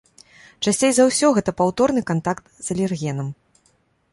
Часцей за ўсё, гэта паўторны кантакт з алергенам.